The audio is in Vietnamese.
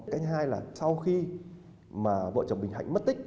cái thứ hai là sau khi mà vợ chồng bình hạnh mất tích